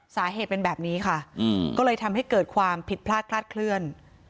สาเหตุเป็นแบบนี้ค่ะก็เลยทำให้เกิดความผิดพลาดคลาดเคลื่อน